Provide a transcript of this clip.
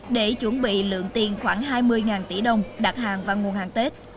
để chuẩn bị lượng tiền khoảng hai mươi tỷ đồng đặt hàng vào nguồn hàng tết